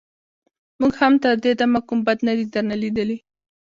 موږ هم تر دې دمه کوم بد نه دي درنه ليدلي.